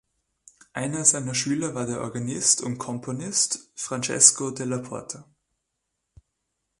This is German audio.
Einer seiner Schüler war der Organist und Komponist Francesco della Porta.